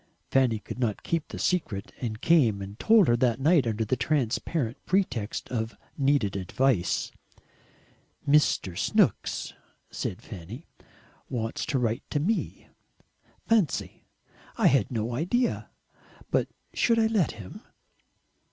Fanny could not keep the secret, and came and told her that night under a transparent pretext of needed advice. "Mr. Snooks," said Fanny, "wants to write to me. Fancy! I had no idea. But should I let him?"